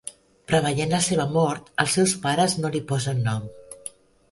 Preveient la seva mort, els seus pares no li posen nom.